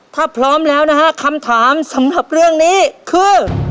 ถ้าพร้อมแล้วนะฮะคำถามสำหรับเรื่องนี้คือ